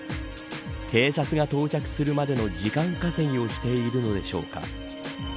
警察が到着するまでの時間稼ぎをしているのでしょうか。